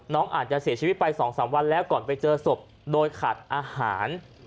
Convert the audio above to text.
น้องอาจจะเสียชีวิตไป๒๓วันแล้วก่อนไปเจอศพโดยขาดอาหาร